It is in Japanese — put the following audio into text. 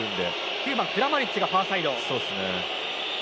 ９番クラマリッチがファーサイド。